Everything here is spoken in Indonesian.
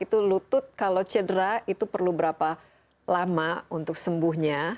itu lutut kalau cedera itu perlu berapa lama untuk sembuhnya